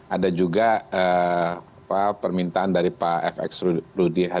ada juga permintaan dari pak fx rudi